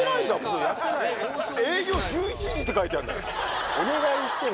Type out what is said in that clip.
営業１１時って書いてあるじゃん。